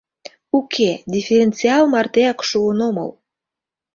— Уке, диференциал мартеак шуын омыл...